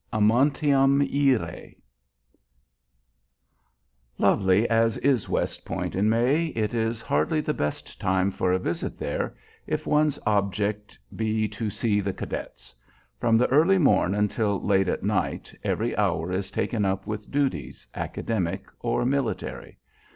"AMANTIUM IRÆ." Lovely as is West Point in May, it is hardly the best time for a visit there if one's object be to see the cadets. From early morn until late at night every hour is taken up with duties, academic or military.